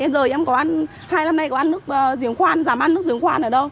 giờ em có ăn hai năm nay có ăn nước giếng khoan giảm ăn nước giếng khoan ở đâu